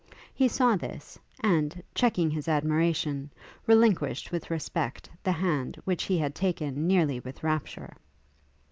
He saw this, and, checking his admiration, relinquished with respect the hand which he had taken nearly with rapture.